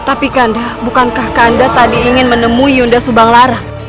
tapi kanda bukankah kanda tadi ingin menemui yunda subanglarang